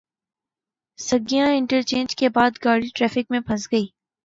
Saggian interchange کے بعد گاڑی ٹریفک میں پھنس گئی۔